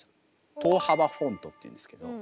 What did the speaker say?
等幅フォントっていうんですけど。